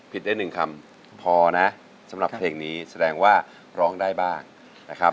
ได้หนึ่งคำพอนะสำหรับเพลงนี้แสดงว่าร้องได้บ้างนะครับ